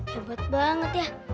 hebat banget ya